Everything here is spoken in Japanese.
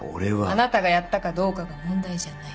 あなたがやったかどうかが問題じゃない。